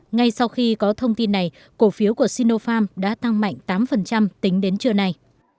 ngay sau khi có thông tin này cổ phiếu của sinopharm đã tăng mạnh tám tính đến trưa nay